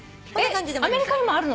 アメリカにもあるの？